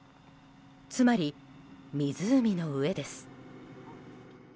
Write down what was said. つまり、湖の上です。